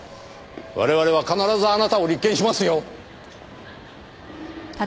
我々は必ずあなたを立件しますよ！